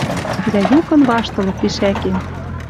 Дӓ юкын ваштылыт тишӓкен.